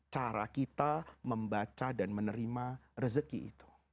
cara kita membaca dan menerima rezeki itu